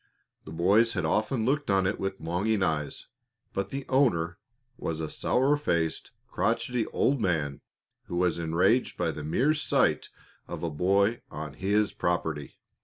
The boys had often looked on it with longing eyes, but the owner was a sour faced, crotchety old man who was enraged by the mere sight of a boy on his property.